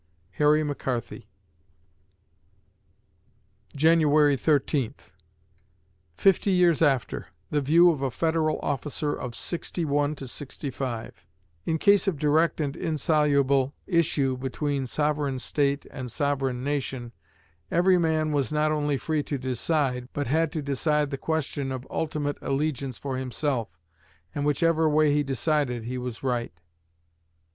HARRY MCCARTHY January Thirteenth FIFTY YEARS AFTER THE VIEW OF A FEDERAL OFFICER OF '61 '65 In case of direct and insoluble issue between Sovereign State and Sovereign Nation, every man was not only free to decide, but had to decide the question of ultimate allegiance for himself; and whichever way he decided he was right.